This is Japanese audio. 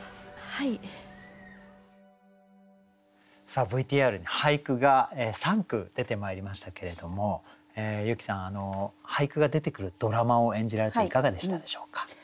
さあＶＴＲに俳句が３句出てまいりましたけれども由紀さん俳句が出てくるドラマを演じられていかがでしたでしょうか？